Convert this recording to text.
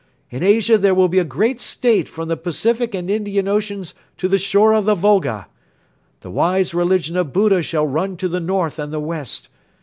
In Asia there will be a great State from the Pacific and Indian Oceans to the shore of the Volga. The wise religion of Buddha shall run to the north and the west.